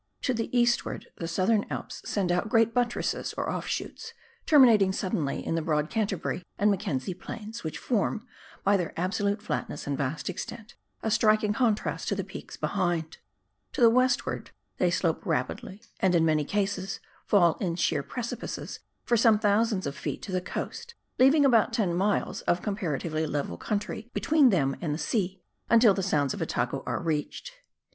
To the eastward the Southern Alps send out great buttresses or offshoots, terminating suddenly in the broad Canterbury and Mackenzie Plains, which form, by their absolute flatness and vast extent, a striking contrast to the peaks behind ; to the westward they slope rapidly, and in many cases fall in sheer precipices for some thousands of feet to the coast, leaving about ten miles of comparatively level country between them and the sea, until the Sounds of Otago are reached.